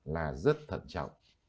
là rất thận trọng